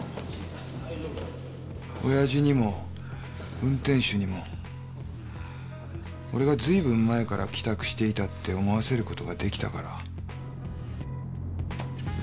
親父にも運転手にも俺がずいぶん前から帰宅していたって思わせることができたから。